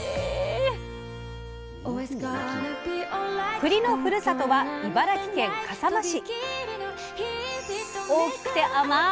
くりのふるさとは茨城県笠間市。